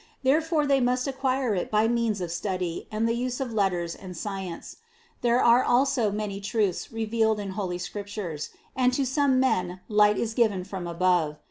Therefore they must acquire it by means of study and the use of letters and science There are also many truths revealed in holy Scriptures and to some men light is given from above.